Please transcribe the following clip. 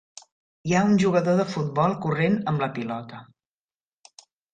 Hi ha un jugador de futbol corrent amb la pilota.